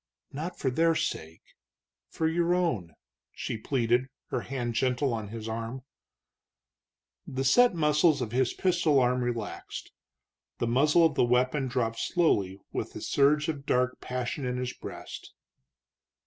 "Not for their sake for your own!" she pleaded, her hand gentle on his arm. The set muscles of his pistol arm relaxed, the muzzle of the weapon dropped slowly with the surge of dark passion in his breast.